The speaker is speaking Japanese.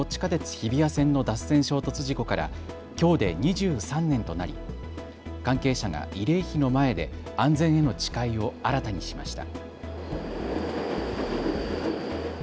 日比谷線の脱線衝突事故からきょうで２３年となり関係者が慰霊碑の前で安全への誓いを新たにしました。